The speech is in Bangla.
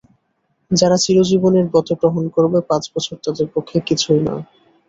যারা চিরজীবনের ব্রত গ্রহণ করবে, পাঁচ বছর তাদের পক্ষে কিছুই নয়।